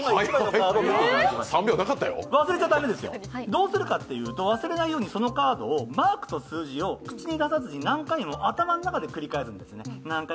どうするかというと、忘れないようにそのカードをマークと数字を口に出さずに何回も頭の中で繰り返すんです。